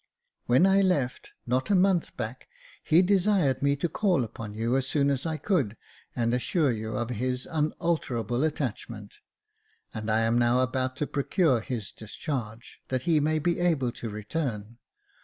When I left, not a month back, he desired me to call upon you as soon as I could, and assure you of his unalterable attachment ; and I am now about to procure his discharge, that he may be able to return.